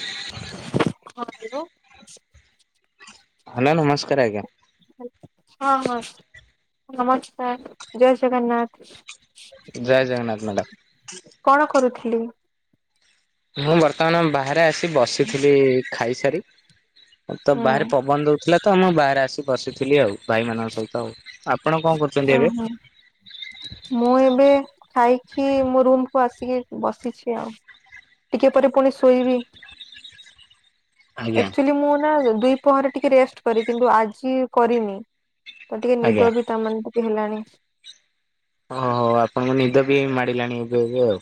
ହଁ hello hello ନମସ୍କାର ଆଜ୍ଞା ହଁ ହଁ ନମସ୍କାର ଜୟ ଜଗନ୍ନାଥ। ଜୟ ଜଗନ୍ନାଥ ମ୍ୟାଡ଼ାମ। କଣ କରୁଥିଲି? ମୁଁ ବର୍ତ୍ତମାନ ବାହାରେ ଆସି ବସିଥିଲି ଖାଇସାରି ତ ବାହାରେ ଓହୋ ପବନ ଦଉଥିଲା ତ ମୁଁ ବାହାରେ ଆସି ବସିଥିଲି ଆଉ ଭାଇମାନଙ୍କ ସହିତ ଆଉ ଆପଣ କଣ କରୁଛନ୍ତି ଏବେ? ଓହୋ ମୁଁ ଏବେ ଖାଇକି ମୋ ରୁମକୁୁ ଆସିକି ବସିଛି ଆଉ। ଟିକେ ପରେ ପୁଣି ଶୋଇବି। [unintelligible] ଆଜ୍ଞା। ଏକ୍ଟୁଆଲୀ ମୁଁ ନା ଦୁଇପହରେ ଟିକେ ରେଷ୍ଟ କରେ କିନ୍ତୁ ଆଜି କରିନି। ତ ଟିକେ ଆଜ୍ଞା ନିଦ ବି ତା ମାନେ ହେଲାଣି। ଓହୋ ଆପଣଙ୍କ ନିଦ ବି ମାଡ଼ିଲାଣି ଏବେ ଏବେ ଆଉ।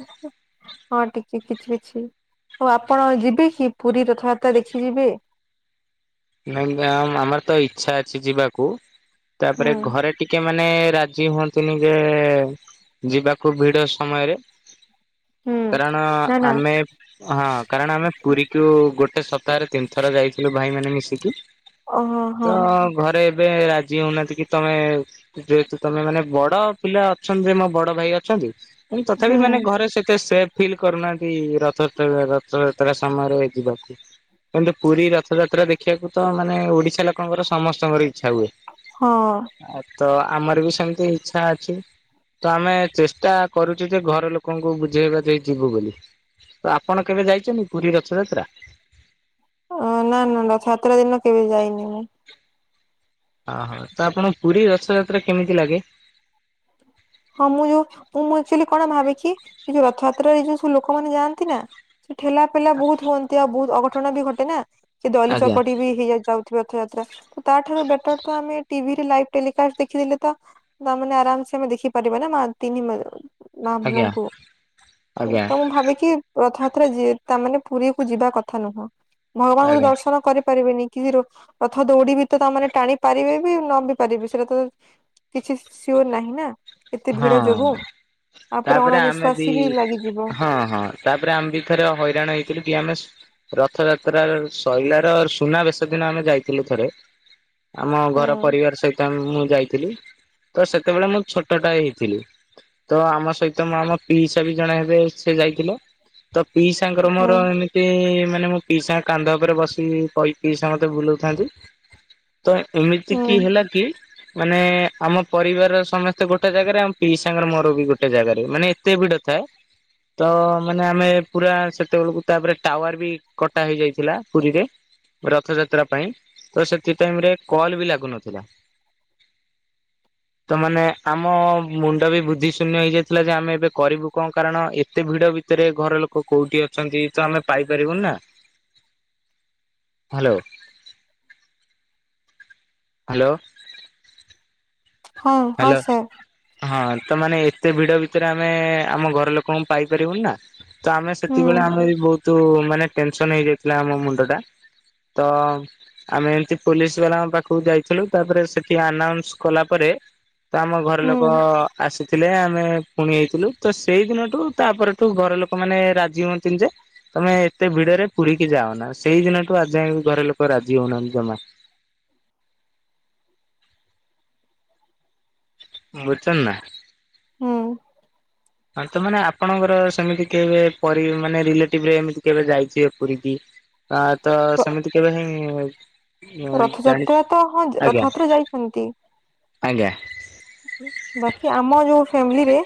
ହଁ ଟିକେ କିଛି କିଛି ଆଉ ଆପଣ ଯିବେ କି ପୁରୀ ରଥଯାତ୍ରା ଦେଖି ଯିବେ। [inaudible] ନାଇଁ ତ ଆମର ତ ଇଚ୍ଛା ଅଛି ଯିବାକୁ ହୁଁ ତାପରେ ଘରେ ଟିକେ ମାନେ ରାଜି ହୁଅନ୍ତିନି ଯେ ଯିବାକୁ ଭିଡ ସମୟରେ ହୁଁ। କାରଣ ନା ନା ଆମେ ହଁ କାରଣ ଆମେ ପୁରୀକୁ ଗୋଟେ ସ ସପ୍ତାହରେ ତିନି ଥର ଯାଇଥିଲୁ ଭାଇମାନେେ ମିଶିକି ଓହୋ ତ ହଁ ଘରେ ଏବେ ରାଜି ହଉନାହାନ୍ତି କି ତମେ ଯେହେତୁ ତମେ ମାନେ ବଡ ପିଲା ଅଛନ୍ତି ଯେ ମୋ ବଡ ଭାଇ ଅଛନ୍ତି। ଲୁ ତଥାପି ହୁଁ ମାନେ ଘରେ ସେତେ ସେଟ୍ ଫିଲ୍ କରୁନାହାନ୍ତି ରଥଯାତା ରଥଯାତ୍ରା ସମୟରେ ଯିବାକୁ କିନ୍ତୁ ପୁରୀ ରଥଯାତ୍ରା ଦେଖ ଏଖିବାକୁ ତ ମାନେ ଓଡିଶା ଲୋକଙ୍କର ସମସ୍ତଙ୍କର ଇଚ୍ଛା ହୁଏ। ହଁ। ଆ ତ ଆମର ବି ସେମତି ଇଚଛା ଅଛି। ତ ଆମେ ଚେଷ୍ଟା କରୁଚୁ ଯେ ଘର ଲୋକଙ୍କୁ ବୁଝେଇବା ଯାଇ ଯିବୁ ବୋଲି। ତ ଆପଣ କେବେ ଯାଇଚନ୍ତି ପୁରୀ ରଥଯାତ୍ରା? ଅ ନା ନା ନା ଛାତ୍ରା ଦିନ କେବେ ଯାଇନି ମୁଁ। ହଁ ହଁ ତ ଆପଣଙ୍କୁ ପୁରୀ ରଥଯାତ୍ରା କେମିତି ଲାଗେ? ହଁ ମୁଁ ଯୋଉ ମୁଁ ମୁଁ ଏକଚୁଆଲି କଣ ଭାବେକି ଯୋଉ ରଥଯାତ୍ରାରେ ଯଉ ସବୁ ଲୋକମାନେ ଯାଆନ୍ତି ନା ସେ ଠେଲା ପେଲା ବହୁତ ହୁଅନ୍ତି ଆଉ ବହୁତ ଅଘଟଣ ବି ଘଟେ ନା ସେ ଦଲି ଆଜ୍ଞା ଚକଟି ବି ହେଇଯାଉଚ ରଥଯାତ୍ରା ତାଠାରୁ ବେଟର ତ ଆମେ ଟିଭିରେ ଲାଇ ଟେଲିକାଷ୍ଟ ଦେଖିଦେଲେ ତ ତାମାନେ ଆରାମସେ ଦେ ପରାରିବ ନା ମା ତିନି ଆଜ୍ଞା ମାମୁଙ୍କୁ ଆଜ୍ଞା ତ ମୁଁ ଭାବେକି ରଥଯାତ୍ରା ଯିଏ ତା ମାନେ ପୁରୀକୁ ଯିବା କଥା ନୁହଁ, ଭଗବାନଙ୍କୁ ତ ଆଜ୍ଞା। ଦର୍ଶନ କରିପାରିବେନି। କିଛି ରଥ ଦୌଡି ବି ତ ତାମାନେ ଟାଣି ପାରିବେ ବି ନ ବି ପାରିବେ ସେଇଟା ତ କିଛି ସିଓର ନାହିଁ ନା ଏତେ ହଁ ଭିଡ ଯୋଗୁ ଆଉ ତାପରେ ପ୍ରଣ ଆମେ ବି ନିଶ୍ଵାସୀ ଲାଗିଯିବ ହଁ ହଁ ତାପରେ ଆମେ ବି ଥରେ ହଇରାଣ ହେଇଥିଲୁ କି ଆମେ ରଥଯାତ୍ରା ଶୋଇଲାର ସୁନା ବେଶ ଦିନ ଆମେ ଯାଇଥିଲୁ ଥରେ। ଆମ ହୁଁ। ଘର ପରିବାର ସହିତ ମୁଁ ଯାଇଥିଲି ତ ସେତେବେଳେ ମୁଁ ଛୋ ଛୋଟଟା ହେଇଥିଲି ତ ଆମ ସହିତ ମା ଆମ ପିଇସା ବି ଜଣେ ଜୋ ସେ ଯାଇଥିଲେ। ତ ପିଇସାଙ୍କର ହୁଁ ଏମିତି ମୋ ପିଇସା କାନ୍ଧ ଉପରେ ବସିିକି କହିକି ସମସ୍ତଙ୍କୁ ବୁଲଉଥାନ୍ତି। ତ ଏମିତି କି ହେଲା କି ମାନେ ଆମ ପରିବାରର ସମସ୍ତେ ଏତେ ଗୋଟେ ଜାଗାରେ ଆଉ ପିଇସାଙ୍କ ମୋର ବି ଗୋଟେ ଜାଗାରେ ମାନେ ଏତେ ଭିଡ ଥାଏ। ତ ମାନେ ଆମେ ପୁରା ସେତେବେଳକୁ ତାପରେ ଟାୱାର ବି କଟା ହେଇଯାଇଥିଲା ପୁରୀରେ। ରଥଯାତ୍ରା ପାଇଁ ତ ସେଥି ଟାଇମ ରେ କଲ ବି ଲାଗୁନଥିଲା। ତାମାନେ ଆମ ମୁଣ୍ଡ ବି ବୁଦ୍ଧି ଶୂନ୍ୟ ହେଇଯାଇଥିଲା ଯେ ଆମେ ଏବେ କରିବୁ କଣ କାରଣ ଏତେ ଭିଡ ଭିତରେ ଘର ଲୋକ କୋଉଠି ଅଛନ୍ତି ତ ଆମେ ପାଇପାରିବୁନି ନା। ହାଲୋ। ହାଲୋ। ହଁ ହଁ ହାଲୋ ସାର୍ ହଁ ତ ମାନେ ଏତେ ଭିଡ ଭିତରେ ଆମେ ଆମ ଘର ଲୋକଙ୍କୁ ପାଇପାରିବୁନି ନା ତ ଆମେ ହୁଁ ସେତବେଳେ ଆମେ ବି ବହୁତ ତୁ ମାନେ ଟେନସନ ହେଇଯାଇଥିଲା ଆମ ମୁଣ୍ଡ ଟା। ତ ଆମେ ଏମତି ପୋଲିସ ବାଲା ପାଖକୁ ଯାଇଥିଲୁ ତାପରେ ସେଠି ଆନାଉନ୍ସ କଲା ପରେ ତ ଆମ ଘର ହୁଁ ଲୋକ ଆସି ଥିଲେ, ଆମେ ପୁଣି ଯାଇଥିଲୁ ତ ସେଇ ଦିନଠୁ ତାପରଠୁ ଘର ଲୋକମାନେ ରାଜି ହୁଅନ୍ତିନି ଯେ ତମେ ଏତେ ଭିଡରେ ପୁରିକି ଯାଅନା, ସେଇ ଦିନଠୁ ଆଜ ଘରେ ଲୋକ ରାଜି ହଉନାହାନ୍ତି ଜମା। [inaudible] ବୁଚନ୍ତି ନା? ହୁଁ। ହଁ ତ ମାନେ ଆପଣଙ୍କର ସେମିତି କେବେ କରି ମାନେ ରିଲେଟିଭରେ ଏମିତି କେବେ ଯାଇଥିବେ ପୁରୀ କି? ହ ତ ସେମିତି କେବେ ହେଇ ରଥଯାତ୍ରା ତ ହଁ ଆଜ୍ଞା ରଥଯାତ୍ରା ଯାଇଚନ୍ତି। ଆଜ୍ଞା ବାକି ଆମ ଯୋଉ ଫେମିଲିରେ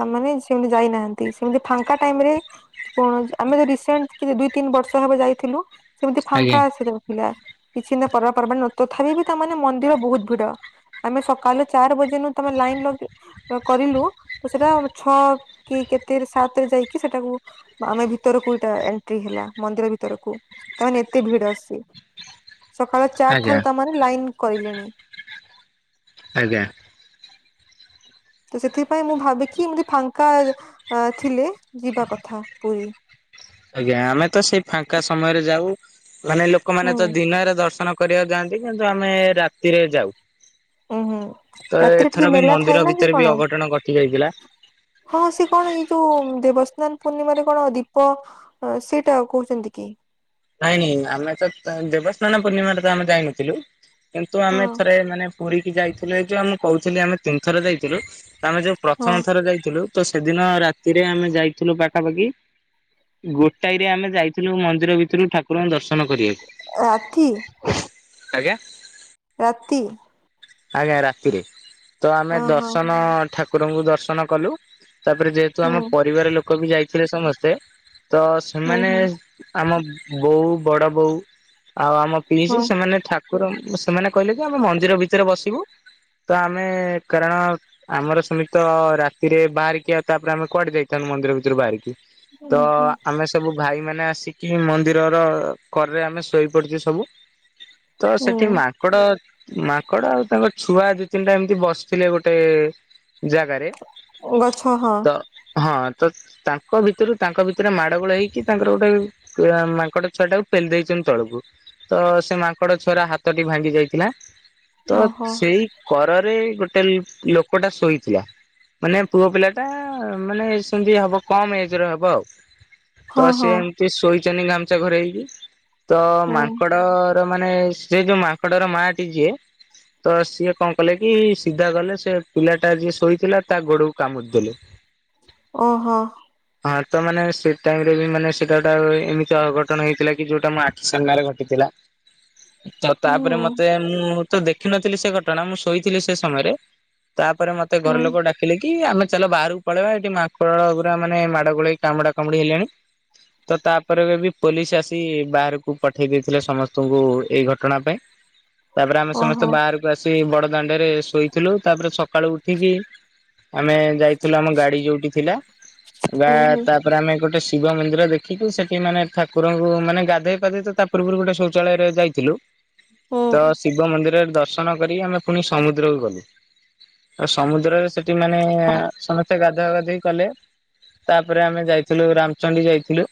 ତାମାନେ ସେମି ଯାଇନାହାନ୍ତି ସେମତି ଫାଙ୍କା ଟାଇମରେ କଣ ଆମେ ତ ରିସେଣ୍ଟ କେତେ ଦୁଇ ତିନି ବର୍ଷ ହବ ଯାଇଥିଲୁ ସେମିତି ଆଜ୍ଞା ଫାଙ୍କା ଆସିଥା କିଛି ନ ପର୍ବ ପର୍ବାଣି ନ ତଥାପି ବି ତା ମାନେ ମନ୍ଦିର ବହୁତ ଭିଡ ଆମେ ସକାଲେ ଚାର ବଜେ ଯେନୁ ତମେ ଲାଇନ ଲଗ କରିଲୁ ତ ସେଟା ଛଅ କି କେତେ ସାତରେ ଯାଇକି ସେଟାକୁ ଆମେ ଭିତରକୁ ଏଇଟା ଏଣ୍ଟ୍ରି ହେଲା ମନ୍ଦିର ଭିତରକୁ। ତା ମାନେ ଏତେ ଭିଡ ଅସି। ସକାଳ ଚାରି ଆଜ୍ଞା ଠାରୁ ତାମର ଲାଇନ୍ କ‌ରିଲେଣି। ଆଜ୍ଞା। ତ ସେଥିପାଇଁ ମୁଁ ଭାବିକି ମୋ ଫାଙ୍କା ଥିଲେ ଯିବା କଥା ପୁରି। ଆଜ୍ଞା ଆମେ ତ ସେଇ ଫାଙ୍କା ସମୟରେ ଯାଉ ମାନେ ଲୋକମାନେ ହୁଁ ତ ଦିନରେ ଦର୍ଶନ କରିବାକୁ ଯାଆନ୍ତି କିନ୍ତୁ ଆମେ ରାତିରେ ଯାଉ। ଉୁଁ ହୁଁ ତ ରାତିରେ ଟିକେ ଏଥର ବି ମେଲା ଥାଏ ମନ୍ଦିର ନା କି ଭିତରେ ବି କଣ? ଅଘଟଣ ଘଟି ଯାଇଥିଲା। ହଁ ସେ କଣ ଏଇ ଯୋଉ ଦେବସ୍ନାନ ପୂର୍ଣ୍ଣିମାରେ କଣ ଦୀପ ସେଇଟା କହୁଚନ୍ତି କି? ନାଇଁ ନାଇଁ ଆମେ ତ ଦେବସ୍ନାନ ପୂର୍ଣ୍ଣିମାରେ ତ ଆମେ ଯାଇନଥିଲୁ। କିନ୍ତୁ ଆମେ ହଁ ଥରେ ମାନେ ପୁରିକି ଯାଇଥିଲୁ ଏ ଯୋଉ ଆମେ କହୁଥିଲି ଆମେ ତିନି ଥରେ ଯାଇଥିଲୁ। ଆମେ ଯୋଉ ହଁ ପ୍ରଥମ ଥର ଯାଇଥିଲୁ ତ ସେଦିନ ରାତିରେ ଆମେ ଯାଇଥିଲୁ ପାଖାପାଖି ଗୋଟାଏ ରେ ଆମେ ଯାଇଥିଲୁ ମନ୍ଦିର ଭିତରୁ ଠାକୁରଙ୍କୁ ଦର୍ଶନ କରିବାକୁ। ଓ ଆଖି ଆଜ୍ଞା। ଆଜ୍ଞା ରାତିରେ ତ ଆମେ ଓହୋ ଦର୍ଶନ ଠାକୁରଙ୍କୁ ଦର୍ଶନ କଲୁ। ତାପରେ ଯେହେତୁ ହୁଁ ଆମ ପରିବାର ଲୋକ ବି ଯାଇଥିଲେ ସମସ୍ତେ ତ ହୁଁ ସେମାନେ ହୁଁ ଆମ ବୋଉ ବଡ ବୋଉ ଆଉ ଆମ ପିଇସି ହଁ ସେମାନେ ଠା ସେମାନେ କହିଲେ କି ଆମେ ମନ୍ଦିର ଭିତରେ ବସିବୁ। ତ ଆମେ କାରଣ ଆମର ସେମିତି ତ ରାତିରେ ବାହାରିକି ଆଉ ତାପରେ ଆମେ କୁଆଡେ ଯାଇଥାନ୍ତୁ। ମନ୍ଦିର ଭିତରୁ ବାହାରିକି ତ ହୁଁ ହୁଁ ଆମେ ସବୁ ଭାଇ ମାନେ ଆସିକି ମନ୍ଦିର ଘର କରେ ଆମେ ଶୋଇ ପଡିଚୁ ସବୁ ତ ସେଠି ହୁଁ ମାଙ୍କଡ ମାଙ୍କଡ ଆଉ ତାଙ୍କ ଛୁଆ ଦି ତିନିଟା ଏମତି ବସିଥିଲେ ଗୋଟେ ଜାଗାରେ ଗଛ ହଁ ତ ହଁ ତ ତାଙ୍କ ଭିତରୁ ତାଙ୍କ ଭିତରେ ମାଡ଼ ଗୋଳ ହେଇକି ତାଙ୍କର ଗୋଟେ ମା ମାଙ୍କଡ ଛୁଆ ଟାକୁ ପେଲି ଦେଇଚନ୍ତି ତଳକୁ ତ ସେ ମାଙ୍କଡ ଛୁଆର ହାତଟି ଭାଙ୍ଗି ଯାଇଥିଲା। ତ ଓହୋ ସେଇ କରରେ ଗୋଟେ ଲୋ-ଲୋକଟା ଶୋଇଥିଲା। ମାନେ ପୁଅ ପିଲାଟା ମାନେ ସେମିତି ହବ କମ୍ ଏଜ୍ ର ହବ ଆଉ। ତ ହଁ ହଁ ସିଏ ଏମିତି ଶୋଇଚନି ଗାମୁଛା ଘୋରେଇ ହେଇକି ତ ହୁଁ ମାଙ୍କଡ ମାନେ ସେ ଯୋଉ ମାଙ୍କଡର ମାଟି ଯିଏ। ତ ସିଏ କଣ କଲେ କି ସିଧା ଗଲେ ସେ ପିଲାଟା ଯିଏ ଶୋଇଥିଲା ତା ଗୋଡକୁ କାମୁଡି ଦେଲେ। ଓହୋ। ହଁ ତ ମାନେ ସେ ଟାଇମ୍ ରେ ବି ମାନେ ସେଟା ଗୋଟେ ଏମତି ଅଘଟଣ ହେଇଥିଲା କି ଯୋଉଟା ମୋ ଆଖି ସାମ୍ନାରେ ଘଟିଥିଲା। ତ ତାପରେ ହୁଁ ମତେ ମୁଁ ତ ଦେଖିନଥିଲି ସେ ଘଟଣା ମୁଁ ଶୋଇଥିଲି ସେ ସମୟରେ। ତାପରେ ମତେ ଘର ହୁଁ ଲୋକ ଡାକିଲେ କି କି ଆମେ ଚାଲ ବାହାରକୁ ପଳେଇବା ଏଠି ମାଙ୍କଡ ଗୁରା ମାନେ ମାଡ ଗୋଳେ ହେଇକି କାମୁଡା କାମୁଡି ହେଲେଣି। ତ ତା [unintelligible] ବି ପୋଲିସ ଆସି ବାହାରକୁ ପଠେଇ ଦେଇଥିଲେ ସମସ୍ତଙ୍କୁ ଏଇ ଘଟଣା ପାଇଁ। ତାପରେ ଆମେ ସମସ୍ତେ ଓହୋ ବାହାରକୁ ଆସି ବଡ ଦାଣ୍ଡରେ ଶୋଇଥିଲୁ ତାପରେ ସକାଳୁ ଉଠିକି ଆମେ ଯାଇଥିଲୁ ଆମ ଗାଡି ଯୋଉଠି ଥିଲା ବା ହୁଁ ହୁଁ ତାପରେ ଆମେ ଗୋଟେ ଶିବ ମନ୍ଦିର ଦେଖିଲୁ ସେ ମାନେ ଠାକୁରଙ୍କୁ ମାନେ ଗାଧୋଇ ପାଧେଇ ତ ତା ପୂର୍ବରୁ ଗୋଟେ ଶୌଚାଳୟରେ ଯାଇଥିଲୁ। ତ ଶିବ ମନ୍ଦିରରେ ଦ ର୍ଶନ କରି ଆମେ ପୁଣି ସମୁଦ୍ରକୁ ଗଲୁ ଆଉ ସମୁଦ୍ରରେ ସେଠି ମାନେ ସ ସେ ଗାଧୁଆ ଗାଧେଇ କଲେ ତାପରେ ଆମେ ଯାଇଥିଲୁ ରାମଚଣ୍ଡୀ ଯାଇଥିଲୁ।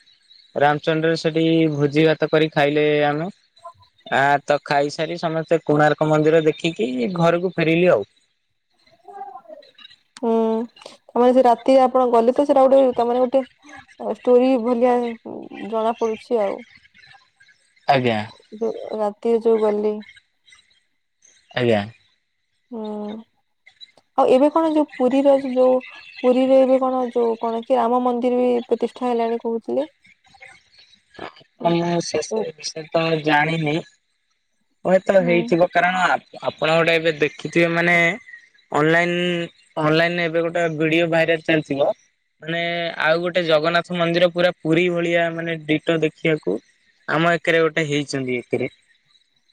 ରାମଚଣ୍ଡିରେ ସେଠି ଭୋଜି ଭାତ କରି ଖାଇଲେ ଆମେ। ଆ ତ ଖାଇସାରି ସମସ୍ତେ କୋଣାର୍କ ମନ୍ଦିର ଦେଖିକି ଘରକୁ ଫେରିଲି ଆଉ। ହୁଁ। ତାମାନେେ ସେ ରାତି ଆପଣ ଗଲେ ତ ସେଟା ଗୋଟେ ଗୋଟେ ଷ୍ଟୋରି ଭଳିଆ ଜଣା ପଡୁଛି ଆଉ। [inaudible] ଆଜ୍ଞା ଯୋଉ ରାତିରେ ଯୋଉ ଗଲି ଆଜ୍ଞା। ହୁଁ ଆଉ ଏବେ କଣ ଯୋଉ ପୁରୀର ଯୋଉ ପୁରୀର ଏବେ କଣ ଯୋଉ କଣ କି ରାମ ମନ୍ଦିର ବି ପ୍ରତିଷ୍ଠା ହେଲାଣି କହୁଥିଲେ। ହୁଁ ଆପଣ ମୁଁ ସେ ହୁଁ ସେ ବିଷୟ ତ ଜାଣିନି। ହୁଏତ ହେଇଥିବ କାରଣ ଆପଣ ଗୋଟେ ଏବେ ଦେଖିଥିବେ ମାନେ ଅନଲାଇନ ଅନଲାଇନରେ ଏବେ ଗୋଟେ ଭିଡିଓ ଭାଇରାଲ ଚାଲିିଥିବ ମାନେ ଆଉ ଗୋଟେ ଜଗନ୍ନାଥ ମନ୍ଦିର ପୁରା ପୁରୀ ଭଳିଆ ମାନେ ଦେଖିବାକୁ ଆମ ଏକରେ ଗୋଟେ ହେଇଛନ୍ତି ଏଥିରେ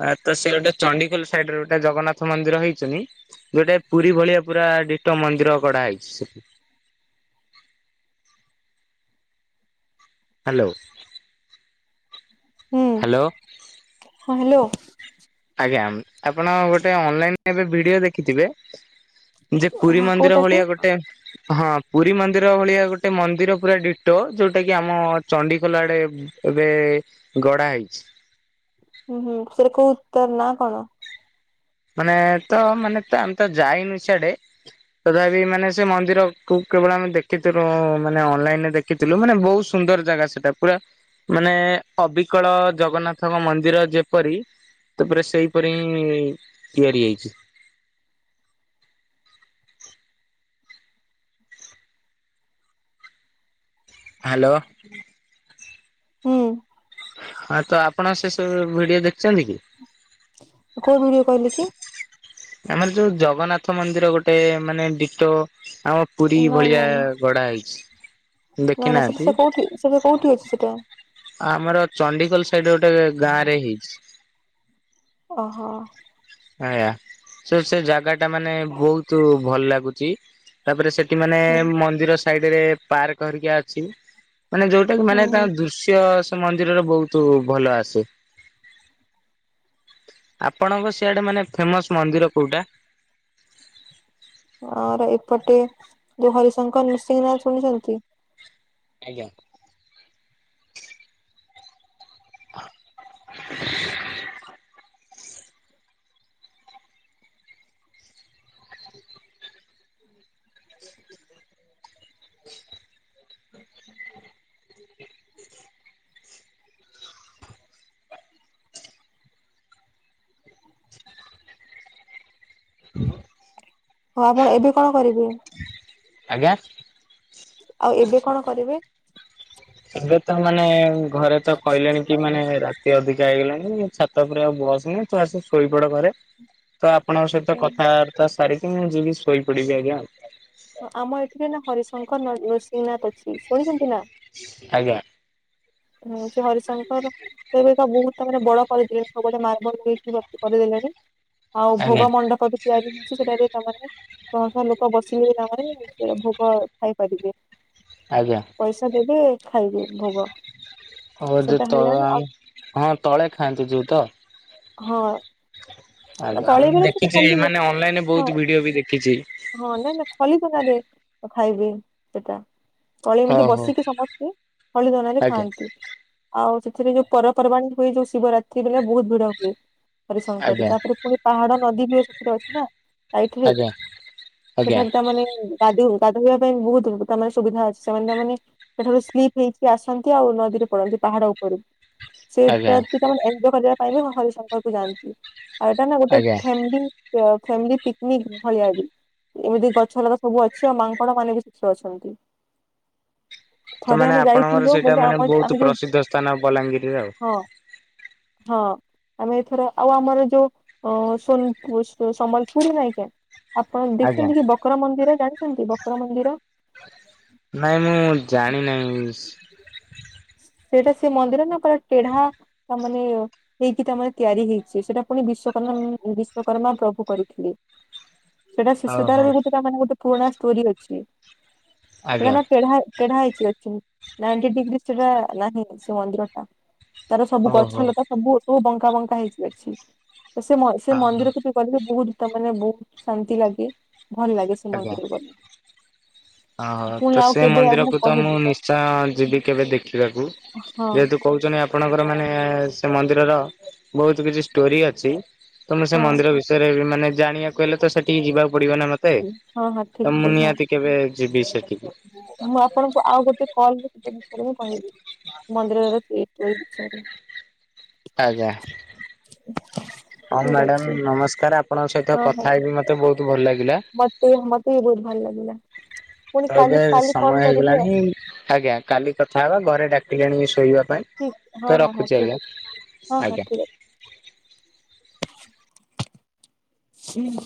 ଆ ତ ସେ ଗୋଟେ ଚଣ୍ଡିଖୋଲ ସାଇଡରେ ଗୋଟେ ଜଗନ୍ନାଥ ମନ୍ଦିର ହେଇଛନ୍ତି ଯୋଉଟା ପୁରୀ ଭଳିଆ ପୁରା ତା ଡିଟୋ ମନ୍ଦିର ଗଢ଼ା ହେଇଚି। ସେ ହ୍ୟାଲୋ। ହାଲୋ ହଁ ହ୍ୟାଲୋ ଆପଣ ଗୋଟେ ଅନଲାଇନ ଏବେ ଭିଡିଓ ଦେଖିଥିବେ ଯେ ପୁରୀ ହଁ ମନ୍ଦିର କୋଉଟା କି? ଭଳିଆ ଗୋଟେ ହଁ ପୁରୀ ମନ୍ଦିର ଭଳିଆ ଗୋଟେ ମନ୍ଦିର ପୁରା ଡିଟୋ ଯୋଉଟା କି ଆମ ଚଣ୍ଡିଖୋଲ ଆଡେ ଏବେ ଗଢା ହେଇଚି। ହୁଁ ହୁଁ ସେଟା କୋଉ ତାର ନା କଣ? ମାନେ ତ ମାନେ ତ ଆମେ ତ ଯାଇନୁ ସିଆଡେ ତଥାପି ମାନେ ସେ ମନ୍ଦିରକୁୁ କେବଳ ଆମେ ଦେଖିଥିଲୁ ମାନେ ଅନଲାଇନରେ ଦେଖିଥିଲୁ ମାନେ ବହୁତ ସୁନ୍ଦର ଜାଗା ସେଟା ପୁରା ମାନେ ଅବିକଳ ଜଗନ୍ନାଥଙ୍କ ମନ୍ଦିର ଯେପରି ତାପରେ ସେଇପରି ହିଁ ତିଆରି ହେଇଛି। ହାଲୋ ହୁଁ। ହଁ ତ ଆପଣ ସେ ସବୁ ଭିଡିଓ ଦେଖିଛନ୍ତି କି କୋଉ ଭିଡିଓ କହିଲେ କି ଆମର ଯୋଉ ଜଗନ୍ନାଥ ମନ୍ଦିର ଗୋଟେ ମାନେ ଡିଟୋ ଆମ ପୁରୀ ନା ଭଳିଆ ନା ନା ଗଢା ହେଇଚି। ନା ନା ସେଟା ସେ କୋଉଠି ସେଟା କୋଉଠି ଅଛି ସେଟା? ଆମର ଚଣ୍ଡିଖୋଲ ସାଇଡ ରେ ଗୋଟେ ଗାଁ ରେ ହେଇଚି। ଓହୋ। ଆଜ୍ଞା, ସେ ସେ ଜାଗା ଟା ମାନେ ବହୁତ ଭଲ ଲାଗୁଚି। ତାପରେ ସେ ମାନେ ହୁଁ ମନ୍ଦିର ସାଇଡ ରେ ପାର୍କ ହେରିକା ଅଛି। ମାନେ ଯୋଉଟା କି ମାନେ ହୁଁ ହୁଁ ତାଙ୍କ ଦୃଶ୍ୟ ମନ୍ଦିରରେ ବହୁତ ଭଲ ଆସେ। ଆପଣଙ୍କ ସେଆଡେ ମାନେ ଫେମସ ମନ୍ଦିର କୋଉଟା? ଆମର ଏପଟେ ଯୋଉ ହରିଶଙ୍କର ନୃସିଂହ ନାଥ ଶୁଣିଛନ୍ତି? ଆଜ୍ଞା। [inaudible] [inaudible] ହଉ ଆପଣ ଏବେ କଣ କରିବେ? ଆଜ୍ଞା। ଆଉ ଏବେ କଣ କରିବେ? ଏବେ ତ ମାନେ ଘରେ ତ କହିଲେଣି କି ମାନେ ରାତି ଅଧି ଯାଇଗଲାଣି ଛାତ ଉପରେ ଆଉ ବସନି। ତୁ ଆସି ଶୋଇପଡ ଘରେ। ତ ଆପଣଙ୍କ ସହିତ କଥାବାର୍ତ୍ତା ସାରିକି ମୁଁ ଯିବି ଶୋଇପଡିବି ଆଜ୍ଞା ଆଉ। ହଁ ଆମ ଏଠିରେ ନା ହରିଶଙ୍କର ନ-ନୃସିଂହନାଥ ଅଛି। ଶୁଣିଛନ୍ତି ନା? ଆଜ୍ଞା। ହଁ ସେ ହରିଶଙ୍କର ତ ଏବେକା ବହୁ ତାପରେ ବଡ କରିଦେଲେଣି ସବୁ ଆଡେ ମାର୍ବଲ ମଲିଷ୍ଟି କ-କରିଦେଲେଣି। ଆଉ ଆଜ୍ଞା ଭୋଗ ମଣ୍ଡପ ବି ତିଆରି ହେଇଛି ସେଠାରେ ତା ମାନେ ଶହ ଶହ ଲୋକ ବସିବେ ତା ପରେ ସେ ଭୋଗ ଓ ଖାଇପାରିବେ ଆଜ୍ଞା ପଇସା ଦେବେ ଖାଇବେ ଭୋଗ। ହଉ ଯୋଉ ସେଟା ତଳେ ହେଲାଣି ଆଉ ମାନେ ହଁ ତଳେ ଖାଆନ୍ତି ଯୋଉ ତ। ହଁ। ନା ଆଜ୍ଞା ତଳେ ମୁଁ ମାନେ ସେ ଦେଖିଛି ଖଲିରେ ମାନେ ଅନଲାଇନରେ ହଁ ବହୁତ ଭିଡିଓ ବି ଦେଖିଛି। ହଁ ନା ନା ଖଲି ପକାନ୍ତି। ତାକୁ ଖାଇବେ ସେଟା। ତଳେ ଏମିତି ଓହୋ ବସିକି ସମସ୍ତେ ଖଲି ଧରନ୍ତି ଆଜ୍ଞା ଖାଆନ୍ତି ଆଉ ସେ ଏଥିରେ ଯୋଉ ପର୍ବ ପର୍ବାଣି ହୁଏ ଯୋଉ ଶିବରାତ୍ରି ଦିନ ବହୁତ ଭିଡ ହୁଏ ହରିଶଙ୍କର ଆଜ୍ଞା ତାପରେ ପୁଣି ପାହାଡ ନଦୀ ବି ସେଥିରେ ଅଛି ନା ଆ ଏଥିରେ ଆଜ୍ଞା ତ ଆଜ୍ଞା ସେଠାରେ ତା ମାନେ ଗାଧେଇ ଗାଧୋଇବା ପାଇଁ ବହୁତ ତାମାନେ ସୁବିଧା ଅଛି ସେମାନେ ତାମାନେ ସେଠାରୁ ସ୍ଲିପ ହେଇଛି ଆସନ୍ତି ଆଉ ନଦୀ ପଳାନ୍ତି ପାହାଡ ଉପରୁ ସେ ଆଜ୍ଞା ପତି ତା ମାନେ ଏଞ୍ଜୋୟ କରିବା ପାଇଁ ହିଁ ହ-ହରିଶଙ୍କରକୁ ଯାଆନ୍ତି। ଆଉ ଏଇଟା ନା ଗୋଟେ ଆଜ୍ଞା। ଫ୍ୟାମିଲୀ ଅ ଫ୍ୟାମିଲି ପିକନିକ ଭଳିଆ ବି। ଏମିତି ଗଛ ଲତା ସବୁ ଅଛି ଆଉ ମାଙ୍କଡ ମାନେ ବି ସେଠାରେ ଅଛନ୍ତି। ତ ଥରେ ମାନେ ଆମେ ଆପଣଙ୍କର ଯାଇଥିଲୁ ସେଇଟା ବୋଲେ ମାନେ ଆମ ଆମେ ବହୁତ ଯୋଉ ପ୍ରସିଦ୍ଧ ସ୍ଥାନ ବଲାଙ୍ଗିରରେ ଆଉ। [inaudible] ହଁ ହଁ ଆମେ ଏଥର ଆଉ ଆମର ଯୋଉ ଅଁ ସୋନପୁର ସ ସମ୍ବଲପୁର ଯାଇଛ। ଆପଣ ଆଜ୍ଞା ଦେଖିଛନ୍ତି କି ବକର ମନ୍ଦିର ଜାଣିଛନ୍ତି ବକର ମନ୍ଦିର? ନାଇ ମୁଁ ଜାଣି ନାଇ। ସେଇଟା ସେ ମନ୍ଦିର ନା ପୁରା ଟେଢା ତା ମାନେ ହେଇକି ତା ମାନେ ତିଆରି ହେଇଛି ସେଟା ପୁଣି ବିଶ୍ୱକର୍ମା ମ ବିଶ୍ଵକର୍ମା ପ୍ରଭୁ କରିଥିଲି ସେଇଟା ଶିଷ୍ୟତାର ଓହୋ। ବି ଗୋଟେ ତା ମାନେ ଗୋଟେ ପୁରୁଣା ଷ୍ଟୋରି ଅଛି ଆଜ୍ଞା ସେଟା ତେଢ଼ା ତେଢ଼ା ହେଇ ସେଠି ଅଛି ନାଇଣ୍ଟି ଡିଗ୍ରୀ ସେଟା ନାହିଁ ସେ ମନ୍ଦିର ଟା। ତାର ସବୁ ଓହୋ ଗଛ ଲତା ସବୁ ସବୁ ବଙ୍କା ବଙ୍କା ହେଇକି ଅଛି। ତ ସେ ମ ସେ ହ ହଁ ମନ୍ଦିରକୁ ବି ଗଲେ ବହୁତୁ ତା ମାନେ ବହୁତୁ ଶାନ୍ତି ଲାଗେ। ଭଲ ଲାଗେ ସେ ଆଜ୍ଞା। ମନ୍ଦିରକୁ ଗଲେ। ଓହୋ ପୁଣି ତ ଆଉ ସେ କେବେ ଆଉ ମନ୍ଦିରକୁ ତ ମୁଁ କହିବି ନିଶ୍ଚୟ ଯିବି କେବେ ଦେଖିବାକୁ। ହଁ ଯେହେତୁ କହୁଛନ୍ତି ଆପଣଙ୍କର ମାନେ ସେ ମନ୍ଦିରର ବହୁତ କିଛି ଷ୍ଟୋରି ଅଛି। ତ ମୁଁ ସେ ହଁ ମନ୍ଦିର ବିଷୟରେ ବି ମାନେ ଜାଣିବାକୁ ହେଲେ ତ ସେଠିକି ଯିବାକୁ ପଡିବ ନା ମତେ ହଁ ହଁ ଠିକ ତ ମୁଁ ଠିକ ହଁ। ନିହାତି କେବେ ଯିବି ସେଠି ମୁଁ ଆପଣଙ୍କୁ ଆଉ ଗୋଟେ କଲ ରେ ସେହି ବିଷୟରେ ହିଁ ମୁଁ କହିବି ମନ୍ଦିରରେ ସେ ତୋଇ ବିଛୟ ରେ। ଆଜ୍ଞା। ହଁ ଠିକ ମ୍ୟାଡାମ ଅଛି ନମସ୍କାର ଆପଣଙ୍କ ସହିତ ହଁ କଥା ହଁ ହେଇକି ମତେ ବହୁତ ଭଲ ଲା ମତେ ବି ମତେ ବି ବହୁତ ଭଲ ଲାଗିଲା। ପୁଣି ତ କାଲି ଏବେ କାଲି ସମୟ କଲ୍ କରିବି ଆଉ ହେଇଗଲାଣି ଆଜ୍ଞା କାଲି କଥା ହବା ଘରେ ଡାକିଲେଣି ଶୋଇବା ପାଇଁ ଠିକ ହଁ ତ ହଁ ହଁ ରଖୁଛି ଠିକ ଆଜ୍ଞା ଅଛି ହଁ ହଁ ଆଜ୍ଞା। ଠିକ ହୁଁ।